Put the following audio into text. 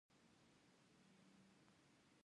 د خوب د ګډوډۍ لپاره د څه شي ډوډۍ وخورم؟